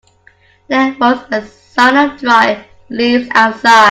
There was a sound of dry leaves outside.